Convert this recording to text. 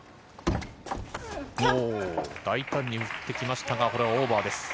大胆に打ってきましたがこれはオーバーです。